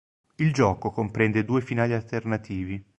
Il gioco comprende due finali alternativi.